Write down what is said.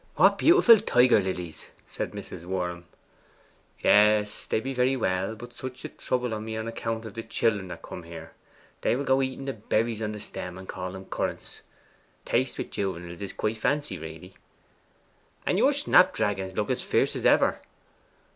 'What beautiful tiger lilies!' said Mrs. Worm. 'Yes, they be very well, but such a trouble to me on account of the children that come here. They will go eating the berries on the stem, and call 'em currants. Taste wi' junivals is quite fancy, really.' 'And your snapdragons look as fierce as ever.